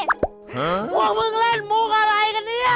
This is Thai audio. พวกมึงเล่นมุกอะไรกันเนี่ย